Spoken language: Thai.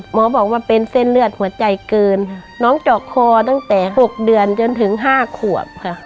หมอบอกว่าเป็นเส้นเลือดหัวใจเกินน้องเจาะคอตั้งแต่๖เดือนจนถึง๕ขวบค่ะ